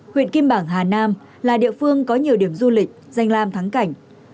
huyện kim bảng hà nam là địa phương có nhiều điểm du lịch danh lam thắng cảnh